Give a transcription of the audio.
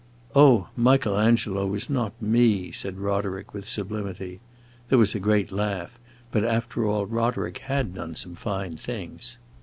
"Oh, Michael Angelo was not me!" said Roderick, with sublimity. There was a great laugh; but after all, Roderick had done some fine things.